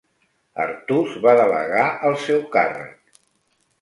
Artús va delegar el seu càrrec.